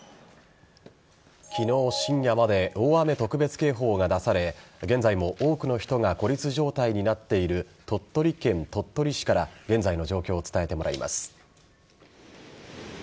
昨日深夜まで大雨特別警報が出され現在も多くの人が孤立状態になっている鳥取県鳥取市から現在の状況を伝えてもらいます。